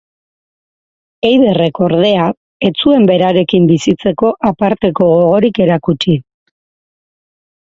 Eiderrek, ordea, ez zuen berarekin bizitzeko aparteko gogorik erakutsi.